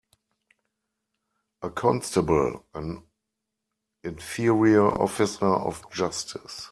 A constable an inferior officer of justice.